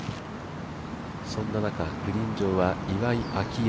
そんな中、グリーン上は岩井明愛。